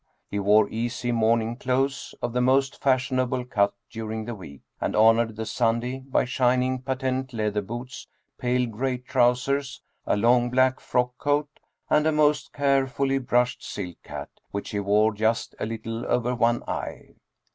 He wore easy morning clothes of the most fashionable cut during the week, and honored the Sunday by shining patent leather boots, pale gray trousers, a long black frock coat and a most carefully brushed silk hat, which he wore just a little over one eye.